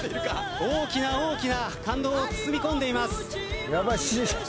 大きな感動を包み込んでいます。